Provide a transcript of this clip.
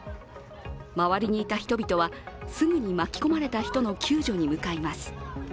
周りにいた人々はすぐに巻き込まれた人の救助に向かいます。